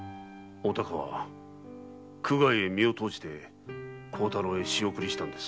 お孝は苦界へ身を投じて孝太郎へ仕送りしたのです。